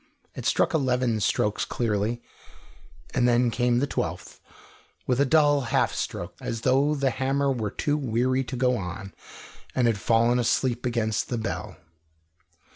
It struck eleven strokes clearly, and then came the twelfth, with a dull half stroke, as though the hammer were too weary to go on, and had fallen asleep against the bell.